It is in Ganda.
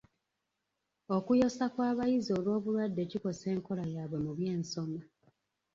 Okuyosa kw'abayizi olw'obulwadde kikosa enkola yaabwe mu byensoma.